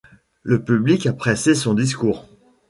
le public appréciait son discours